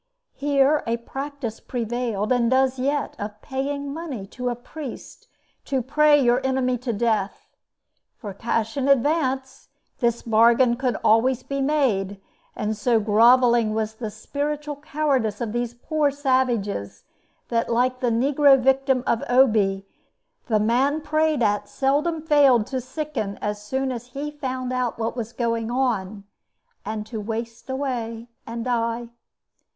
Here a practice prevailed, and does yet, of paying money to a priest to pray your enemy to death. For cash in advance, this bargain could always be made, and so groveling was the spiritual cowardice of these poor savages, that, like the negro victim of Obi, the man prayed at seldom failed to sicken as soon as he found out what was going on, and to waste away and die.